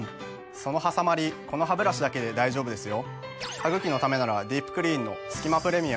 そのはさまりこのハブラシだけで大丈夫ですよ。